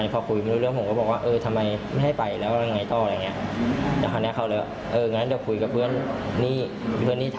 พอคุยมันรู้เรื่องผมก็บอกว่าทำไมไม่ให้ไปแล้วชิดแบบวันนี้